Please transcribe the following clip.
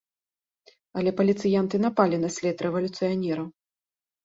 Але паліцыянты напалі на след рэвалюцыянераў.